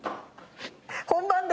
本番で？